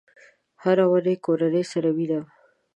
هره اونۍ کورنۍ سره وینم